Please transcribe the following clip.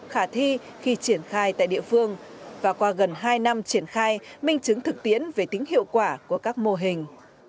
khả thi khi triển khai tại địa phương và qua gần hai năm triển khai minh chứng thực tiễn về tính hiệu quả của các mô hình